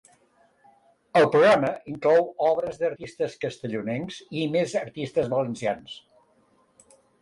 El programa inclou obres d’artistes castellonencs i més artistes valencians.